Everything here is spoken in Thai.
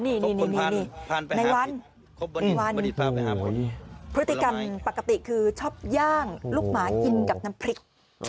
นี่ในวันพฤติกรรมปกติคือชอบย่างลูกหมากินกับน้ำพริก